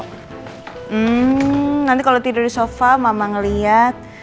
hmm nanti kalau tidur di sofa mama ngeliat